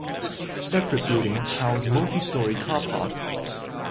Separate buildings house multi-storey car parks.